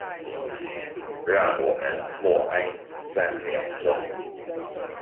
讓我們默哀三秒鐘